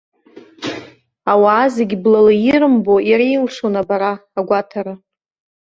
Ауаа зегьы блала ирымбо иара илшон абара, агәаҭара.